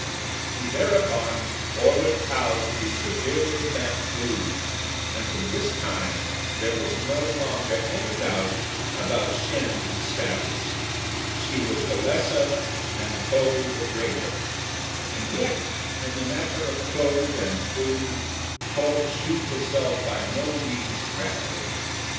He thereupon ordered Pao to be severely bambooed, and from this time there was no longer any doubt about Shên's status. She was the lesser and Ho the greater; and yet in the matter of clothes and food Ho shewed herself by no means grasping.